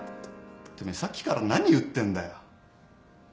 てめえさっきから何打ってんだよ。